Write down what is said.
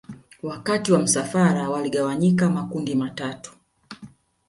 Wakati wa msafara waligawanyika makundi matatu